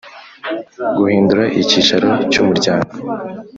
Guhindura icyicaro cy Umuryango